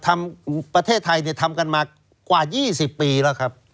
ประเทศไทยทำกันมากว่า๒๐ปีแล้วครับ